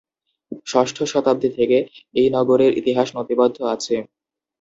ষষ্ঠ শতাব্দী থেকে এই নগরের ইতিহাস নথিবদ্ধ আছে।